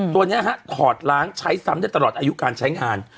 ตัวนี้ถอดล้างใช้ซ้ำได้ตลอดอายุการใช้งาน